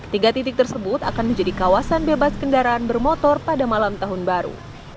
tiga titik tersebut akan menjadi kawasan bebas kendaraan bermotor pada malam tahun baru